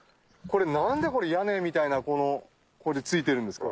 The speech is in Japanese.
何でこの屋根みたいなこれ付いてるんですか？